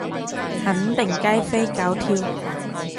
肯定雞飛狗跳